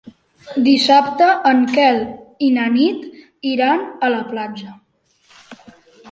Dissabte en Quel i na Nit iran a la platja.